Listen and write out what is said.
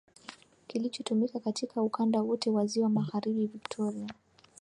kilichotumika katika ukanda wote wa Ziwa Magharibi Victoria